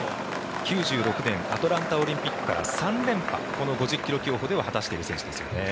１９９６年のアトランタオリンピックから３連覇この５０ｋｍ競歩では果たしている選手ですよね。